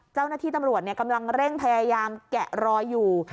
เจ้าหน้าที่ตำรวจกำลังเร่งพยายามแกะรอยอยู่